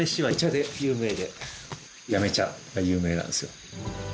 八女茶が有名なんですよ。